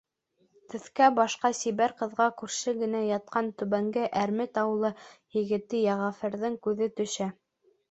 Төҫкә-башҡа сибәр ҡыҙға күрше генә ятҡан Түбәнге Әрмет ауылы егете Йәғәфәрҙең күҙе төшә.